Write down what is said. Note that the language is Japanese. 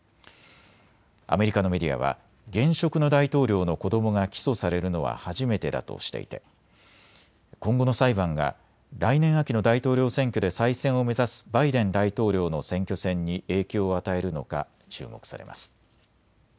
アメリカのメディアは現職の大統領の子どもが起訴されるのは初めてだとしていて今後の裁判が来年秋の大統領選挙で再選を目指すバイデン大統領の選挙戦に影響を与えるのか注目されます。